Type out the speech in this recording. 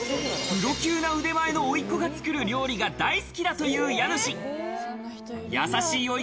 プロ級な腕前の甥っ子が作る料理が大好きだという家主。